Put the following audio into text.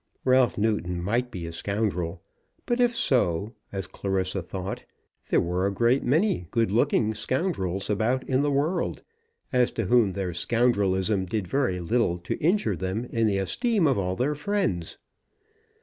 Ralph Newton might be a scoundrel; but if so, as Clarissa thought, there were a great many good looking scoundrels about in the world, as to whom their scoundrelism did very little to injure them in the esteem of all their friends.